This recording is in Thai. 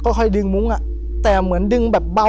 ผมก็ไม่เคยเห็นว่าคุณจะมาทำอะไรให้คุณหรือเปล่า